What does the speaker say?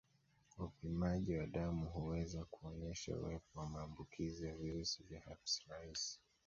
Upimaji wa damu huweza kuonyesha uwepo wa maambukizi ya virusi vya herpes rahisi